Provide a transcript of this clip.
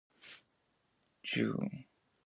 He miicp ihsyai aha.